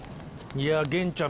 いや源ちゃん